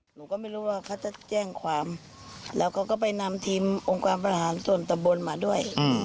หนูก็ไม่รู้ว่าเขาจะแจ้งความแล้วเขาก็ไปนำทีมองค์การประหารส่วนตำบลมาด้วย